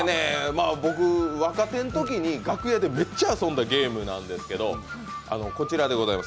僕、若手のときに楽屋でめっちゃ遊んだゲームなんですけどこちらでございます